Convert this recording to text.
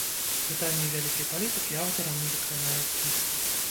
Пытанні вялікай палітыкі аўтарам не закранаюцца.